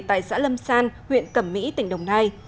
tại xã lâm san huyện cẩm mỹ tỉnh đồng nai